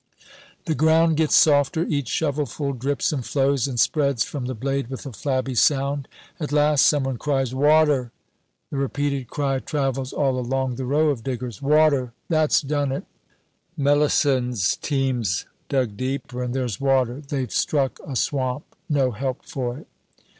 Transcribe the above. The ground gets softer; each shovelful drips and flows, and spreads from the blade with a flabby sound. At last some one cries, "Water!" The repeated cry travels all along the row of diggers "Water that's done it!" "Melusson's team's dug deeper, and there's water. They've struck a swamp." "No help for it."